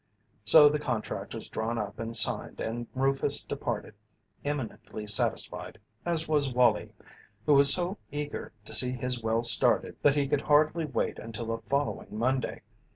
So the contract was drawn up and signed and Rufus departed, eminently satisfied, as was Wallie, who was so eager to see his well started that he could hardly wait until the following Monday.